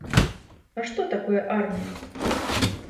А што такое армія?